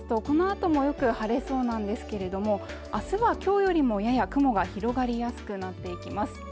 このあともよく晴れそうなんですけれどもあすはきょうよりもやや雲が広がりやすくなっていきます